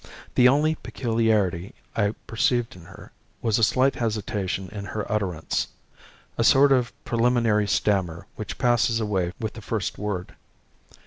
The only peculiarity I perceived in her was a slight hesitation in her utterance, a sort of preliminary stammer which passes away with the first word.